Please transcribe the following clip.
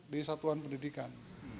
di satuan pendidikan